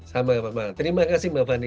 sama sama terima kasih mbak fanny